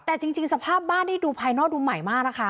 แต่จริงสภาพบ้านที่ดูภายนอกดูใหม่มากนะคะ